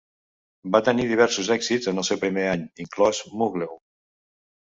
Va tenir diversos èxits en el seu primer any, inclòs Moonglow.